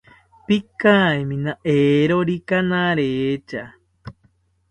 Pikaimina eerokika naretya